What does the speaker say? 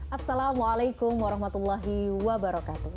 assalamualaikum warahmatullahi wabarakatuh